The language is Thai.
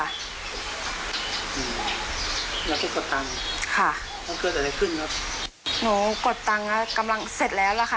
แล้วก็กดตังค่ะแล้วเกิดอะไรขึ้นครับหนูกดตังแล้วกำลังเสร็จแล้วแหละค่ะ